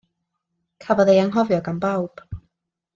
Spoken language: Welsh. Cafodd ei anghofio gan bawb.